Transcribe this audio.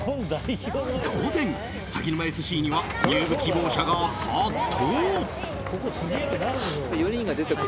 当然、さぎぬまＳＣには入部希望者が殺到！